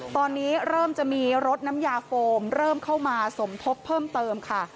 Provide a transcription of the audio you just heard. ตอนนี้เริ่มจะมีรถน้ำยาโฟมเริ่มเข้ามาสมทบเพิ่มเติมค่ะ